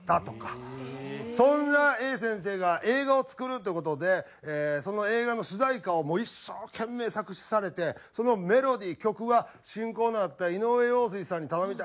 そんな先生が映画を作るという事でその映画の主題歌を一生懸命作詞されてそのメロディー曲は親交のあった井上陽水さんに頼みたいって頼んだ。